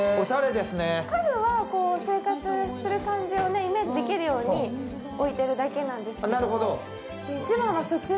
家具は生活する感じをイメージできるように置いているだけなんですが。